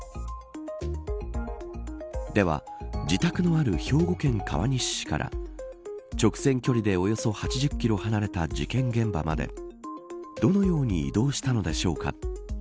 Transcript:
では自宅のある兵庫県川西市から直線距離でおよそ８０キロ離れた事件現場までどのように移動したのでしょうか。